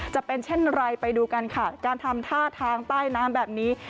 จะเป็นเช่นไรไปดูกันค่ะการทำท่าทางใต้น้ำแบบนี้